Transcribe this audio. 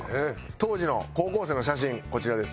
当時の高校生の写真こちらです。